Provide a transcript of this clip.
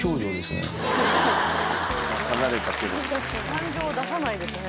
感情を出さないですね。